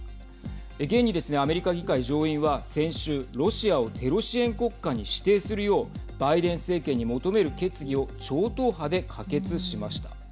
現にですねアメリカ議会上院は先週ロシアをテロ支援国家に指定するようバイデン政権に求める決議を超党派で可決しました。